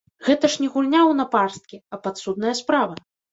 Гэта ж не гульня ў напарсткі, а падсудная справа.